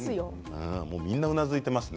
みんな、うなずいていますね。